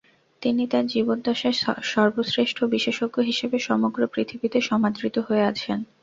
তিনি তার জীবদ্দশায় সর্বশ্রেষ্ঠ বিশেষজ্ঞ হিসেবে সমগ্র পৃথিবীতে সমাদৃত হয়ে আছেন।